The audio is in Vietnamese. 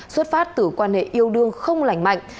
xuất phát từ quan hệ yêu đương không lành mạnh